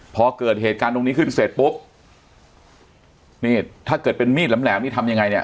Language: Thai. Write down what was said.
พอเกิดเหตุการณ์ตรงนี้ขึ้นเสร็จปุ๊บนี่ถ้าเกิดเป็นมีดแหลมนี่ทำยังไงเนี่ย